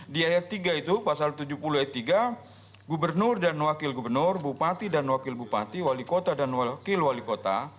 di ayat tiga itu pasal tujuh puluh ayat tiga gubernur dan wakil gubernur bupati dan wakil bupati wali kota dan wakil wali kota